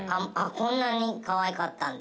こんなにかわいかったんだ！